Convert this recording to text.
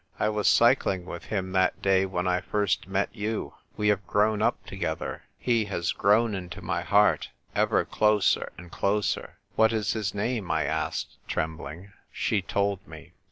I was cycling with him that day when I first met you. We have grown up together. He has grown into my heart — ever closer and closer." " What is his name ?" I asked, trembling. She told me.